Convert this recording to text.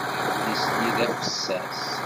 Adlis-nni d afessas.